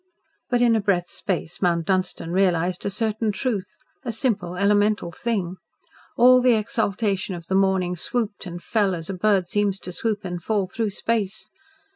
But in a breath's space Mount Dunstan realised a certain truth a simple, elemental thing. All the exaltation of the morning swooped and fell as a bird seems to swoop and fall through space.